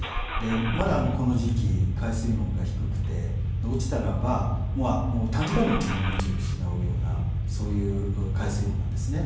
まだこの時期は海水温が低くて落ちたらば短時間のうちに命を失うような海水温なんですね。